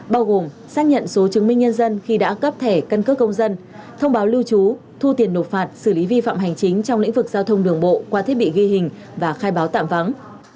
bao gồm xác nhận số chứng minh nhân dân khi đã cấp thẻ căn cước công dân thông báo lưu trú thu tiền nộp phạt xử lý vi phạm hành chính trong lĩnh vực giao thông đường bộ qua thiết bị ghi hình và khai báo tạm vắng